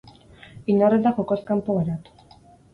Inor ez da jokoz kanpo geratu.